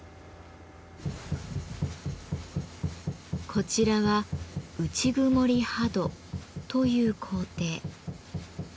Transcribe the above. こちらは「内曇刃砥」という工程。